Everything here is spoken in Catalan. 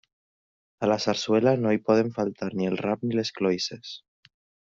A la sarsuela no hi poden faltar ni el rap ni les cloïsses.